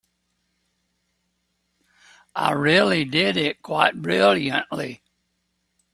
I really did it quite brilliantly.